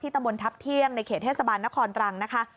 ตำบลทัพเที่ยงในเขตเทศบาลนครตรังนะคะ